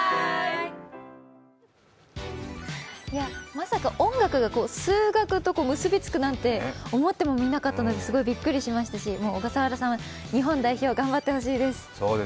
まさか音楽が数学と結びつくなんて思ってもみなかったのですごいびっくりしましたし、小笠原さん、日本代表、頑張ってほしいです。